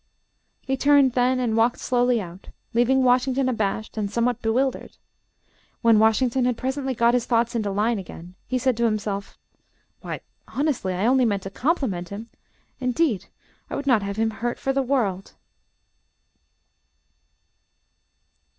He turned, then, and walked slowly out, leaving Washington abashed and somewhat bewildered. When Washington had presently got his thoughts into line again, he said to himself, "Why, honestly, I only meant to compliment him indeed I would not have hurt him for the world."